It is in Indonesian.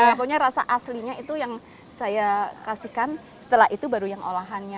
pokoknya rasa aslinya itu yang saya kasihkan setelah itu baru yang olahannya